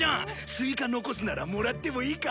スイカ残すならもらってもいいか？